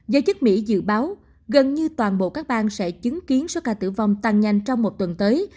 giới chức mỹ dự báo gần như toàn bộ các bang sẽ chứng kiến số ca tử vong tăng nhanh trong một tuần tới